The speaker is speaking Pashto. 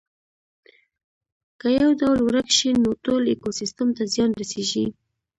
که یو ډول ورک شي نو ټول ایکوسیستم ته زیان رسیږي